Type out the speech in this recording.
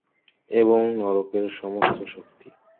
এবং নরকের সমস্ত শক্তি।